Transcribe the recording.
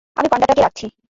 আমি পান্ডাটাকে রাখছি।